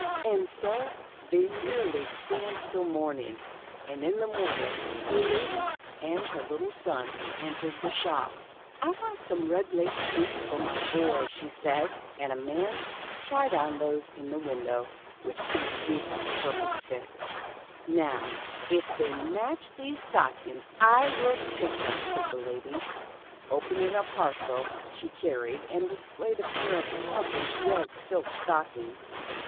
And so they mer rily danced till morning. And in the morning, a lady and her little son entered the shop. " I want some red laced boots for my boy," said she. And the man tried on those in the win dow, which proved a perfect fit. Now if they match these stockings, I will take them," said the lady, opening a parcel she carried and displaying a pair of lovely red silk stockings.